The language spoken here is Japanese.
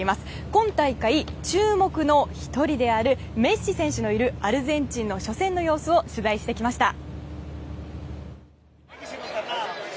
今大会、注目の１人であるメッシ選手のいるアルゼンチンの初戦の様子を取材してきました。